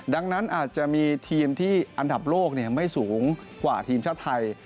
ดังนั้นอาจจะมีทีมที่อันดับโลกไม่สูงกว่าทีมชาติไทย